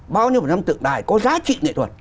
bao nhiêu phần trăm tượng đài có giá trị nghệ thuật